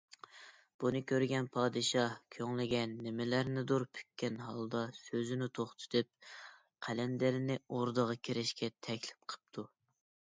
بۇنى كۆرگەن پادىشاھ كۆڭلىگە نېمىلەرنىدۇر پۈككەن ھالدا سۆزىنى توختىتىپ، قەلەندەرنى ئوردىغا كىرىشكە تەكلىپ قىپتۇ.